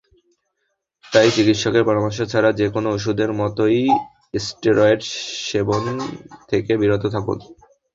তাই চিকিৎসকের পরামর্শ ছাড়া যেকোনো ওষুধের মতোই স্টেরয়েড সেবন থেকে বিরত থাকুন।